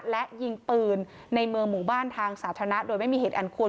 และยิงปืนในเมืองหมู่บ้านทางสาธารณะโดยไม่มีเหตุอันควร